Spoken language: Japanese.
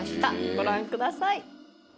ご覧ください。